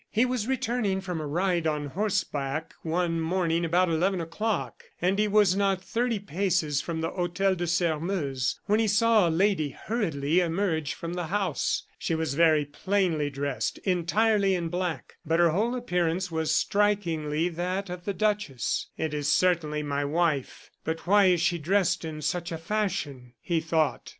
He was returning from a ride on horseback one morning about eleven o'clock, and he was not thirty paces from the Hotel de Sairmeuse when he saw a lady hurriedly emerge from the house. She was very plainly dressed entirely in black but her whole appearance was strikingly that of the duchess. "It is certainly my wife; but why is she dressed in such a fashion?" he thought.